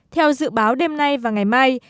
theo dự báo đêm nay và ngày mai